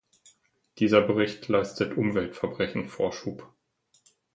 Dieser Bericht leistet Umweltverbrechen Vorschub.